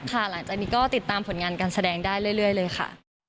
หลังจากนี้ก็ติดตามผลงานการแสดงได้เรื่อยเลยค่ะ